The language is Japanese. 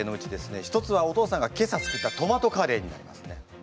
一つはお父さんが今朝作ったトマトカレーになりますね。